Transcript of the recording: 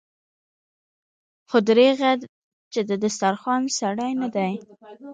خو دريغه چې د دسترخوان سړی نه دی.